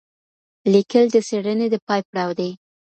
لیکل د څېړني د پای پړاو دی.